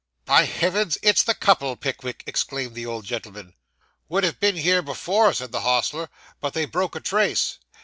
'By heavens, it's the couple, Pickwick,' exclaimed the old gentleman. 'Would have been here before,' said the hostler, 'but they broke a trace.